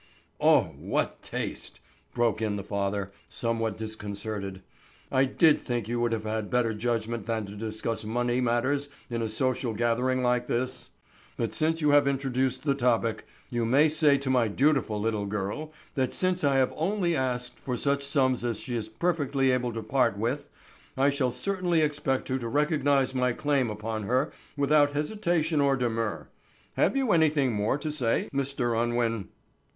"Oh, what taste!" broke in the father, somewhat disconcerted. "I did think you would have better judgment than to discuss money matters in a social gathering like this. But since you have introduced the topic you may say to my dutiful little girl that since I have only asked for such sums as she is perfectly able to part with, I shall certainly expect her to recognize my claim upon her without hesitation or demur. Have you anything more to say, Mr. Unwin?"